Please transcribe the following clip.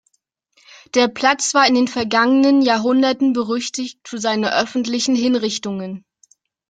Der Platz war in den vergangenen Jahrhunderten berüchtigt für seine öffentlichen Hinrichtungen.